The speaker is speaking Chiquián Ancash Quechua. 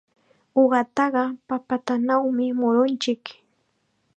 Uqataqa papatanawmi murunchik.